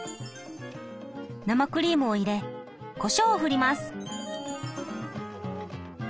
生クリームを入れこしょうをふります。